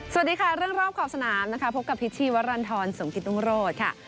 สวัสดีค่ะเรื่องรอบขอบสนามนะคะพบกับพิษชีวรรณฑรสมกิตรุงโรธค่ะ